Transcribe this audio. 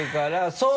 そう！